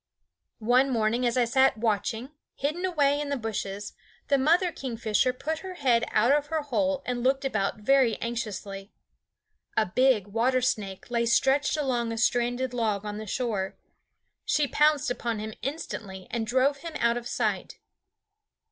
One morning as I sat watching, hidden away in the bushes, the mother kingfisher put her head out of her hole and looked about very anxiously. A big water snake lay stretched along a stranded log on the shore. She pounced upon him instantly and drove him out of sight.